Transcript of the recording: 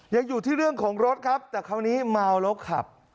ยังอยู่ที่เรื่องของรถครับแต่คราวนี้เมาแล้วขับ